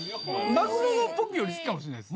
まぐろのポキよりも好きかもしれないです。